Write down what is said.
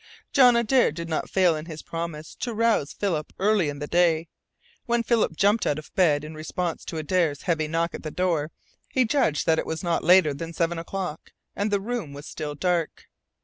John Adare did not fail in his promise to rouse Philip early in the day. When Philip jumped out of bed in response to Adare's heavy knock at the door, he judged that it was not later than seven o'clock, and the room was still dark.